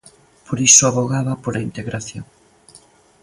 Por iso avogaba pola integración.